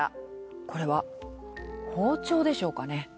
これは包丁でしょうかね？